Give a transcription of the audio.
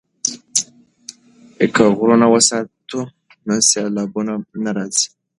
که غرونه وساتو نو سیلابونه نه راځي.